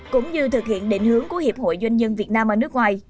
cũng như thực hiện định hướng của hiệp hội doanh nhân việt nam ở nước ngoài